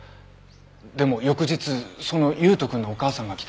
でも翌日その悠斗くんのお母さんが来て。